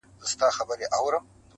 وایې خدای دې کړي خراب چي هرچا وړﺉ,